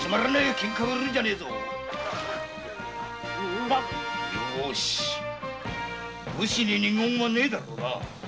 売らん武士に二言はねえだろうな？